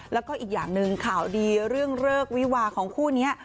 แล้วก็อีกอย่างหนึ่งข่าวดีเรื่องเลิกวิวาของคู่นี้